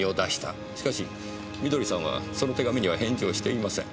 しかし美登里さんはその手紙には返事をしていません。